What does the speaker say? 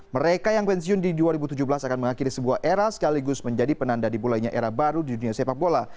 mereka yang pensiun di dua ribu tujuh belas akan mengakhiri sebuah era sekaligus menjadi penanda dibulainya era baru di dunia sepak bola